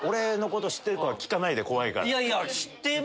いやいや。